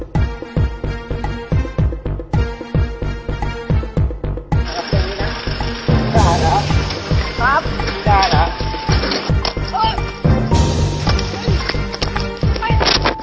โปรดติดตามตอนต่อไป